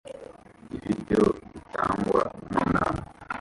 Ibiryo bitangwa mu nama